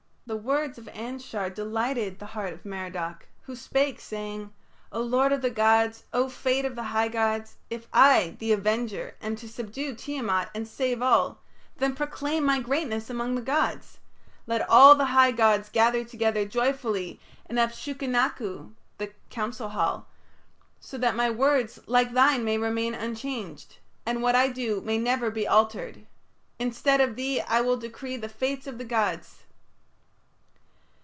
The words of Anshar delighted the heart of Merodach, who spake, saying: "O lord of the gods, O fate of the high gods, if I, the avenger, am to subdue Tiamat and save all, then proclaim my greatness among the gods. Let all the high gods gather together joyfully in Upshukinaku (the Council Hall), so that my words like thine may remain unchanged, and what I do may never be altered. Instead of thee I will decree the fates of the gods."